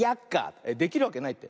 えっできるわけないって？